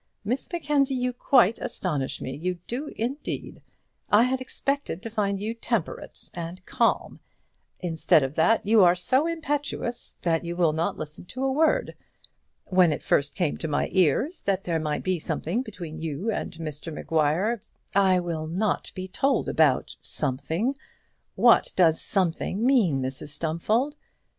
Miss Mackenzie, you quite astonish me; you do, indeed. I had expected to find you temperate and calm; instead of that, you are so impetuous, that you will not listen to a word. When it first came to my ears that there might be something between you and Mr Maguire " "I will not be told about something. What does something mean, Mrs Stumfold?"